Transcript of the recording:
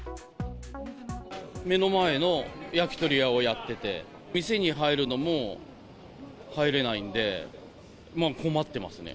目の前の焼き鳥屋をやってて、店に入るのも入れないんで、困ってますね。